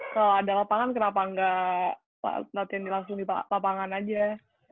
kalau ada lapangan kenapa nggak latihan langsung di lapangan aja